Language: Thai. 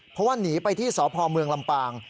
เพราะว่าหนีไปที่สพเมืองลำปาง